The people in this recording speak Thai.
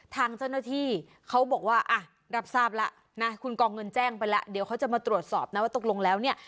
ทางเจ้าหน้าที่เขาบอกว่าอ่ะรับทราบแล้วนะคุณกองเงินแจ้งไปแล้วเดี๋ยวเขาจะมาตรวจสอบนะว่าตกลงแล้วเนี่ย